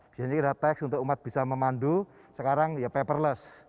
biasanya kita teks untuk umat bisa memandu sekarang ya paperless